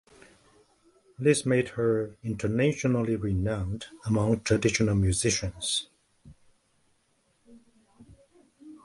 This made her internationally renowned among traditional musicians.